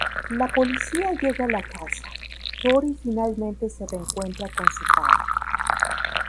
La policía llega a la casa, Tory finalmente se reencuentra con su padre.